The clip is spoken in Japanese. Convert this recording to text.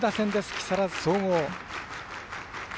木更津総合。